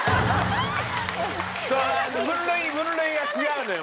分類分類が違うのよ